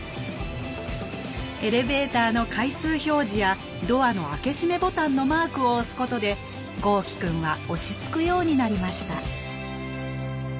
エレベーターの階数表示やドアの開け閉めボタンのマークを押すことで豪輝くんは落ち着くようになりました